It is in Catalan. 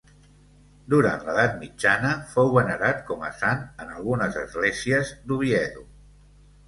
Durant l'Edat mitjana fou venerat com a sant en algunes esglésies d'Oviedo.